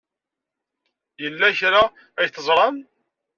Yella kra ay teẓram.